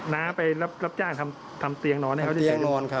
น้าไปรับจ้างทำเตียงนอนทำเตียงนอนครับ